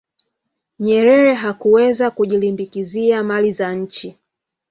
nyerere hakuweza kujilimbikizia mali za nchi